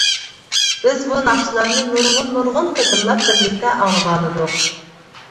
بىز بۇ ناخشىلارنى نۇرغۇن-نۇرغۇن قېتىملاپ بىرلىكتە ئاڭلىغانىدۇق.